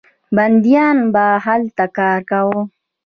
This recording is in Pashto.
بندیانو به هلته کار کاوه.